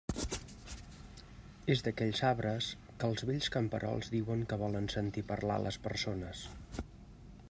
És d'aquells arbres que els vells camperols diuen que volen sentir parlar les persones.